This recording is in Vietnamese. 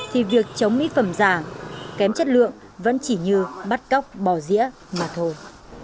thì việc chống mỹ phẩm giả kém chất lượng vẫn chỉ như bắt cóc bỏ dĩa mà thôi